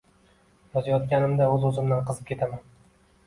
Yozayotganimda oʻz-oʻzimdan qizib ketaman